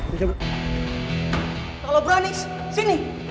kalau lo berani sini